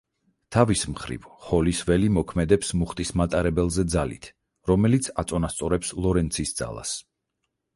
თავის მხრივ ჰოლის ველი მოქმედებს მუხტის მატარებელზე ძალით, რომელიც აწონასწორებს ლორენცის ძალას.